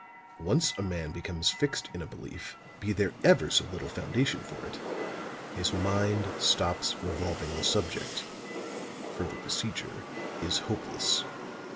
Once a man becomes fixed in a belief, be there ever so little foundation for it, his mind stops revolving the subject; further procedure is hopeless."